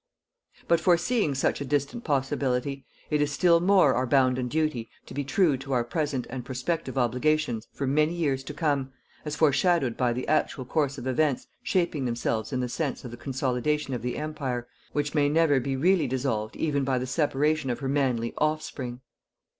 But foreseeing such a distant possibility, it is still more our bounden duty to be true to our present and prospective obligations for many years to come, as foreshadowed by the actual course of events shaping themselves in the sense of the consolidation of the Empire which may never be really dissolved even by the separation of her manly offspring.